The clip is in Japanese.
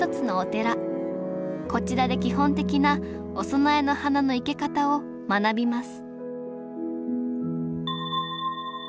こちらで基本的なお供えの花の生け方を学びます